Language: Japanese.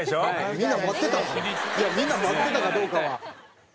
みんな待ってたかどうかは。